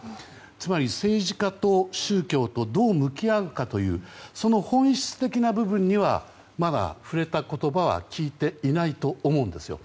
つまり、政治家と宗教とどう向き合うかというその本質的な部分にはまだ触れた言葉は聞いていないと思うんですよ。